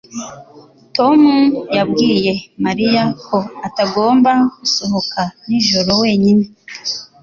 Tom yabwiye Mariya ko atagomba gusohoka nijoro wenyine